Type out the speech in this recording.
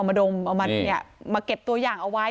อ๋อมระดมมาเก็บตัวอย่างเอาไว้